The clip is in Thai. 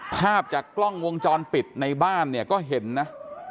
ภาพจากกล้องวงจรปิดในบ้านเนี่ยก็เห็นนะ